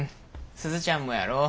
スズちゃんもやろ？